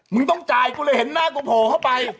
มึงต้องจ่ายกูเลยเห็นหน้ากูโผล่เข้าไป